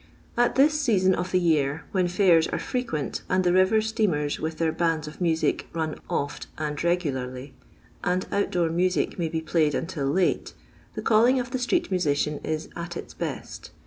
At this season of the year, when fairs are frequent and the river steamers with their bands of music run oft and regularly, and out door music may be played until late, the calling of the street musician is " at its best.'